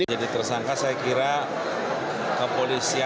jadi tersangka saya kira kepolisian